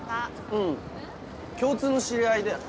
うん共通の知り合いで。